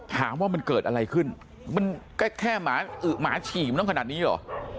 ถามว่ามันเกิดอะไรขึ้นมันก็แค่หมาอึ๋หมาฉี่มันต้องขนาดนี้เหรอ